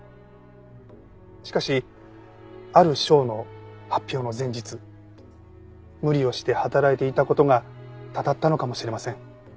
しかしある賞の発表の前日無理をして働いていた事がたたったのかもしれません。